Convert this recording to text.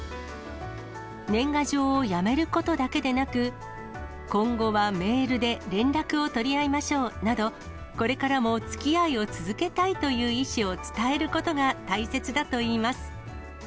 年賀状をやめることだけでなく、今後はメールで連絡を取り合いましょうなど、これからもつきあいを続けたいという意思を伝えることが大切だといいます。